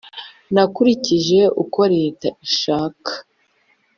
Nakurikije uko Leta ishaka !